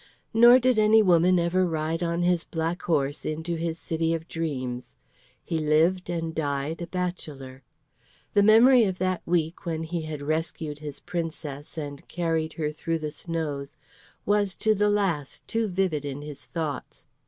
Nor did any woman ever ride on his black horse into his city of dreams. He lived and died a bachelor. The memory of that week when he had rescued his Princess and carried her through the snows was to the last too vivid in his thoughts.